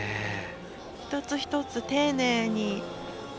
一つ一つ丁寧に。